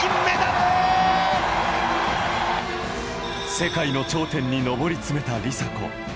世界の頂点に上り詰めた梨紗子。